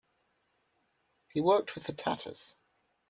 He worked with the Tatas.